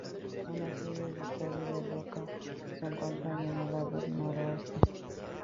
Una serie de torres de roca se encuentran en el lado noroeste.